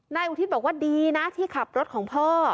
อุทิศบอกว่าดีนะที่ขับรถของพ่อ